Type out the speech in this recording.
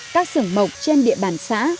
các sừng mộc trên địa bàn xã